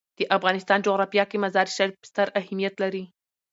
د افغانستان جغرافیه کې مزارشریف ستر اهمیت لري.